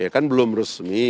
ya kan belum resmi